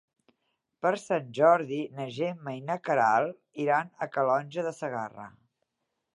Per Sant Jordi na Gemma i na Queralt iran a Calonge de Segarra.